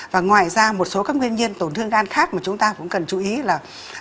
và ngoài ra một số các nguyên nhân tổn thương gan khác mà chúng ta cũng cần chú ý là